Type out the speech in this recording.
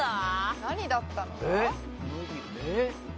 「何だったのだ」？